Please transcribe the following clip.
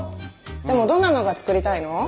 でもどんなのが作りたいの？